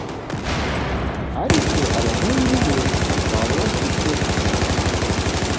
Ariko abahungu be bazaba bafite akazu